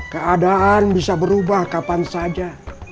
keadaan bisa berubah kapan saja